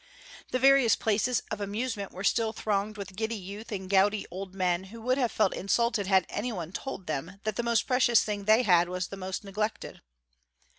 The various places of amusement were still thronged with giddy youth and gouty old men who would have felt insulted had any one told them that the most precious thing they had was the most neglected.